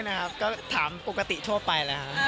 นะครับก็ถามปกติทั่วไปแล้วครับ